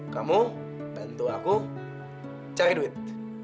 kamu bantu aku cari duit